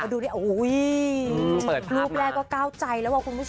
อุ้ยยยรูปแรกว่าก้าวใจแล้วคุณผู้ชม